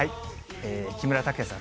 木村拓哉さん